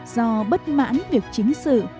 do bất mãn việc chính sự